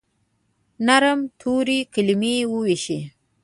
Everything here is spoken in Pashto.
نرم توري، کلیمې وویشي